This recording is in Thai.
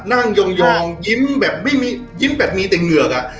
นั่งยองยิ้มแบบไม่มียิ้มแบบมีแต่เหงือกอะ